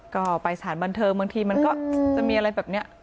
ก็ไปสถานบันเทิงบางทีมันก็จะมีอะไรแบบนี้